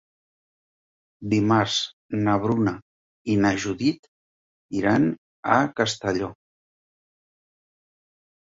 Dimarts na Bruna i na Judit iran a Castelló.